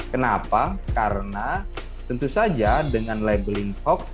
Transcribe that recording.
kenapa karena tentu saja dengan labeling hoax